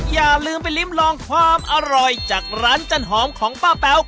อย่าลืมไปลิ้มลองความอร่อยจากร้านจันหอมของป้าแป๊ว